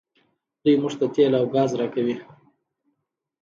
دوی موږ ته تیل او ګاز راکوي.